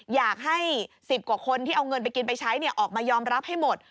อยากให้๑๐กว่าคนที่เอาเงินไปกินไปใช้ออกมายอมรับให้หมด